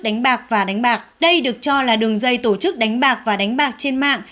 đánh bạc và đánh bạc đây được cho là đường dây tổ chức đánh bạc và đánh bạc trên mạng